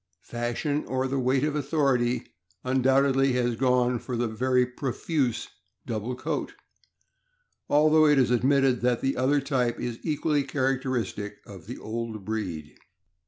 Fashion, or the weight of authority, undoubtedly has gone for the very profuse double coat, although it is admitted that the other type is equally characteristic of the old breed.